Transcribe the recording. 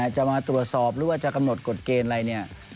จะมาตรวจสอบหรือว่าจะกำหนดกฎเกณฑ์อะไรเนี่ย